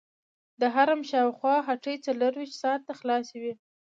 د حرم شاوخوا هټۍ څلورویشت ساعته خلاصې وي.